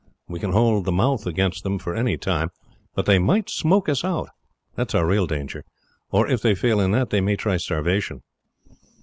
We can hold the mouth against them for any time, but they might smoke us out, that is our real danger; or if they fail in that, they may try starvation.